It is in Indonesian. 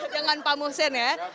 jangan pak mohsen ya